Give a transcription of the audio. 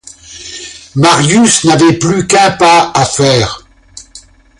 Marius n'avait plus qu'un pas à faire.